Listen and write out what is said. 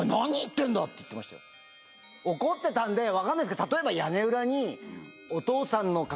怒ってたんで分かんないですけど例えば。